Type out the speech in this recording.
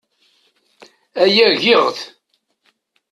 Aya giɣ-t.